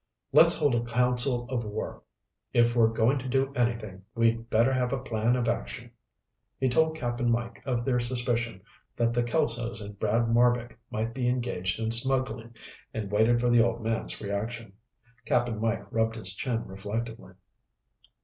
"Let's hold a council of war. If we're going to do anything, we'd better have a plan of action." He told Cap'n Mike of their suspicion that the Kelsos and Brad Marbek might be engaged in smuggling and waited for the old man's reaction. Cap'n Mike rubbed his chin reflectively.